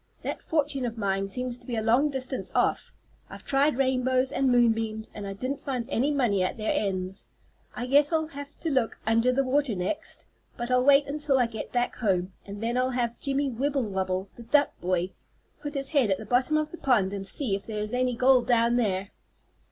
"That fortune of mine seems to be a long distance off. I've tried rainbows and moon beams and I didn't find any money at their ends. I guess I'll have to look under the water next, but I'll wait until I get back home, and then I'll have Jimmie Wibblewobble the duck boy put his head at the bottom of the pond and see if there is any gold down there."